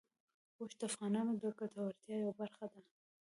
اوښ د افغانانو د ګټورتیا یوه برخه ده.